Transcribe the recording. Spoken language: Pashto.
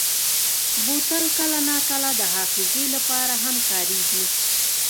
بوتل کله ناکله د حافظې لپاره هم کارېږي.